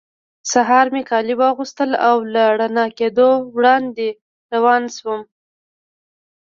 سهار مې کالي واغوستل او له رڼا کېدو وړاندې روان شوم.